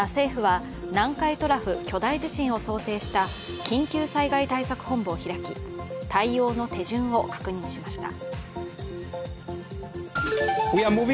また、政府は南海トラフ巨大地震を想定した緊急災害対策本部を開き、対応の手順を確認しました。